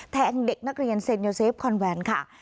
แทงเด็กนักเรียนเซ็นโยเซฟคอนแวนค่ะ